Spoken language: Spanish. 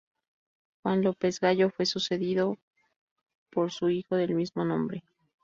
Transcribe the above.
Juan López Gallo fue sucedido por su hijo, del mismo nombre.